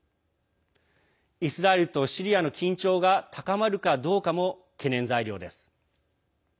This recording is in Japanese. イスラエルとシリアの緊張が高まるかどうかも懸念材料です。